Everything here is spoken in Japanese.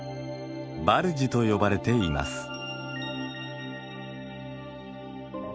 バルジと呼ばれています。